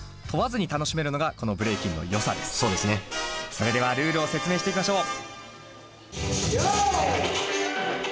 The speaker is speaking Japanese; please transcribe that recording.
それではルールを説明していきましょう。